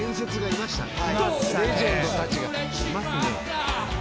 ・いますね。